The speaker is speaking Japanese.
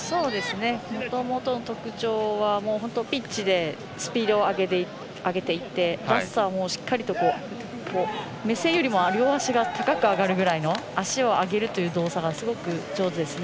もともとの特徴はピッチでスピードを上げていってラストはしっかりと目線よりも両足が高く上がるくらいの足を上げるという動作がすごく上手ですね。